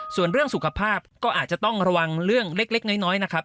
ส่วนเรื่องสุขภาพก็อาจจะต้องระวังเรื่องเล็กน้อยนะครับ